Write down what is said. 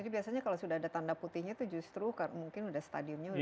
jadi biasanya kalau sudah ada tanda putihnya itu justru mungkin sudah stadiumnya terlalu